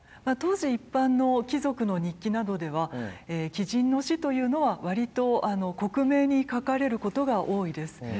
当時一般の貴族の日記などでは貴人の死というのは割と克明に書かれることが多いです。